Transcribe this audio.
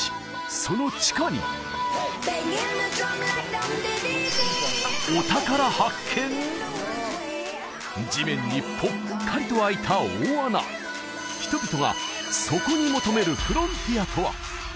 その地下に地面にぽっかりとあいた大穴人々が底に求めるフロンティアとは？